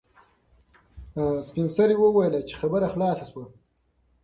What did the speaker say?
سپین سرې وویل چې خبره خلاصه شوه.